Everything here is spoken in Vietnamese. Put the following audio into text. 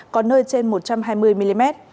có nơi trên một trăm hai mươi mm